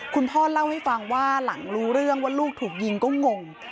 คุณพ่อเล่าให้ฟังว่าหลังรู้เรื่องว่าลูกถูกยิงก็งง